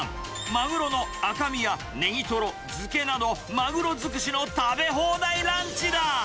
マグロの赤身やネギトロ、づけなど、マグロづくしの食べ放題ランチだ。